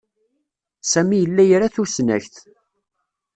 Sami yella ira tusnakt.